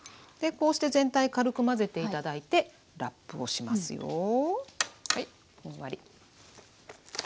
でこうして全体軽く混ぜて頂いてラップをしますよ。